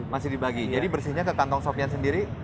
masih dibagi jadi bersihnya ke kantong sofian sendiri